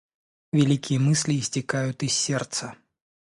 Великие мысли истекают из сердца.